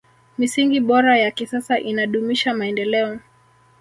misingi bora ya kisasa inadumisha maendeleo